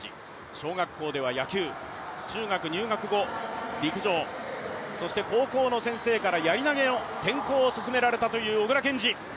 小学校では野球中学入学後、陸上そして高校の先生からやり投げへの転向を勧められたという小椋健司